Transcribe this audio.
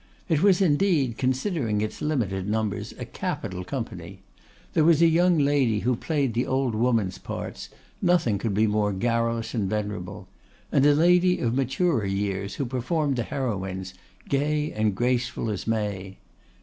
It was, indeed, considering its limited numbers, a capital company. There was a young lady who played the old woman's parts, nothing could be more garrulous and venerable; and a lady of maturer years who performed the heroines, gay and graceful as May.